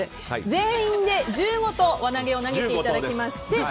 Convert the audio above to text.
全員で１５投輪投げを投げていただきまして。